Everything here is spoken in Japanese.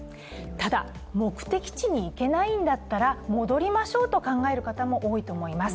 ただ目的地に行けないんだったら戻りましょうと考える方も多いと思います。